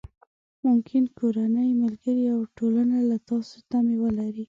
ممکن کورنۍ، ملګري او ټولنه له تاسې تمې ولري.